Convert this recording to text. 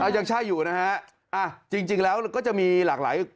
ยังใช่อยู่นะฮะจริงแล้วก็จะมีหลากหลาย